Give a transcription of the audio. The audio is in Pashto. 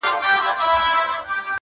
سوې نغمه شوم د يادونو لۀ ستاره وتم